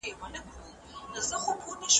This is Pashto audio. پښتو به په نړیواله کچه له نورو ژبو سره سیاله شي.